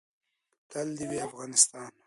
تل دې وي افغانستان.